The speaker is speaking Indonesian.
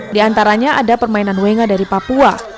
di antaranya ada permainan wenga dari papua